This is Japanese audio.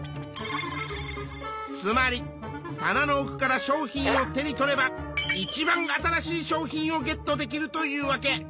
つまり棚の奥から商品を手に取ればいちばん新しい商品をゲットできるというわけ。